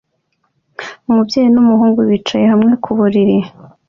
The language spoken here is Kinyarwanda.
Umubyeyi n'umuhungu bicaye hamwe ku buriri